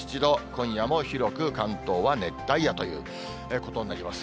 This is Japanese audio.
今夜も広く関東は熱帯夜ということになります。